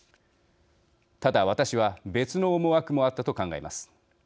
ただ、私は別の思惑もあったと考えます。